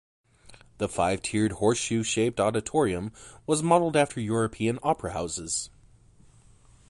The five-tiered, horseshoe-shaped auditorium was modelled after European opera houses.